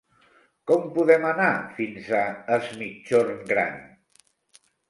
Com podem anar fins a Es Migjorn Gran?